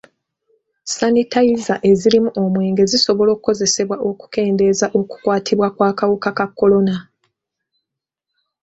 Sanitayiza ezirimu omwenge zisobola okukozesebwa okukendeeza okukwatibwa kw'akawuka ka kolona.